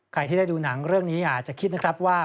ใครที่ได้ดูหนังเรื่องนี้อาจจะคิดนะครับว่า